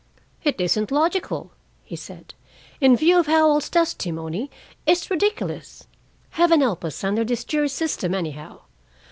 "It isn't logical," he said. "In view of Howell's testimony, it's ridiculous! Heaven help us under this jury system, anyhow!